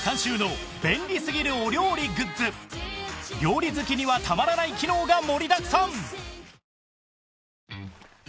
料理好きにはたまらない機能が盛りだくさん！